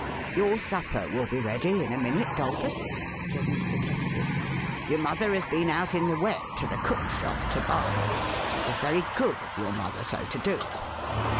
" Your supper will be ready in a minute, "Dolphus," said Mr. Tetterby. " Your mother has been out in the wet, to the cook's shop, to buy it. It was very good of your mother so to do.